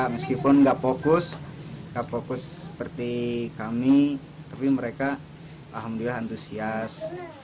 meskipun nggak fokus nggak fokus seperti kami tapi mereka alhamdulillah antusias